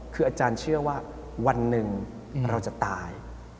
คืออาจารย์เชื่อว่าวันหนึ่งเราจะตาย